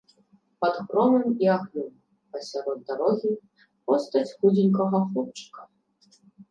Пад громам і агнём, пасярод дарогі, постаць худзенькага хлопчыка.